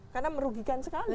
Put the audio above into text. karena merugikan sekali